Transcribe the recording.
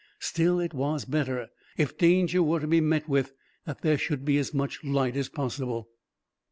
Still it was better, if danger were to be met with, that there should be as much light as possible.